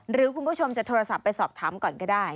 หรือคุณผู้ชมจะโทรศัพท์ไปสอบถามก่อนก็ได้